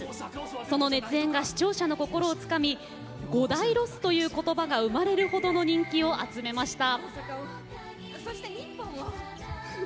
その熱演が視聴者の心をつかみ「五代ロス」という言葉が生まれるほどの人気を集めました。